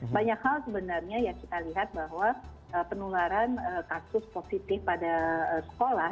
banyak hal sebenarnya yang kita lihat bahwa penularan kasus positif pada sekolah